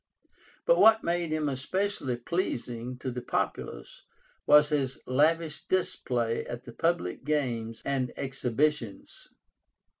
But what made him especially pleasing to the populace was his lavish display at the public games and exhibitions.